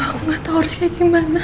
aku gak tau harus kayak gimana